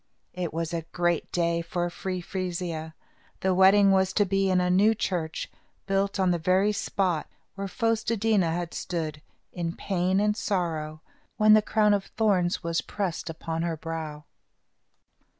It was a great day for Free Frisia. The wedding was to be in a new church, built on the very spot where Fos te dí na had stood, in pain and sorrow, when the crown of thorns was pressed upon her brow.